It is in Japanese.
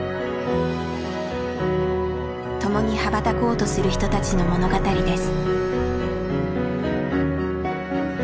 共に羽ばたこうとする人たちの物語です。